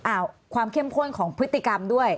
ความเข้มข้นของพฤติกรรมด้วย